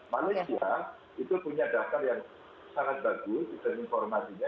malaysia itu punya daftar yang sangat bagus dan informasinya